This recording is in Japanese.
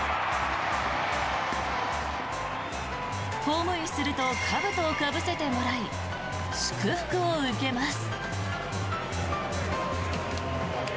ホームインするとかぶとをかぶせてもらい祝福を受けます。